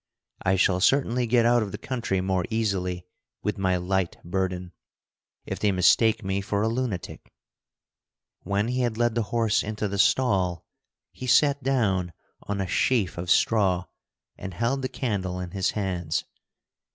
I shall certainly get out of the country more easily with my light burden, if they mistake me for a lunatic." When he had led the horse into the stall, he sat down on a sheaf of straw and held the candle in his hands.